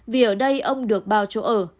vì ở đây ông được bao chỗ ở